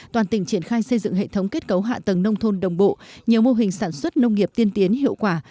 toàn tỉnh triển khai xây dựng hệ thống kết cấu hạ tầng nông thôn đồng bộ nhiều mô hình sản xuất nông nghiệp tiên tiến hiệu quả